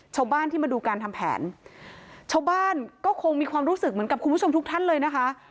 ชาวบ้านที่มาดูการทำแผนชาวบ้านก็คงมีความรู้สึกเหมือนกับคุณผู้ชมทุกท่านเลยนะคะ